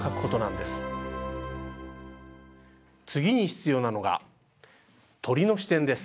次に必要なのが「鳥の視点」です。